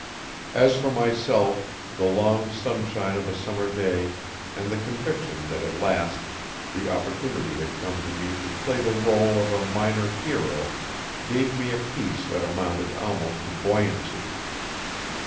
As for myself the long sunshine of a summer day and the conviction that at last the opportunity had come to me to play the rôle of a minor hero gave me a peace that amounted almost to buoyancy.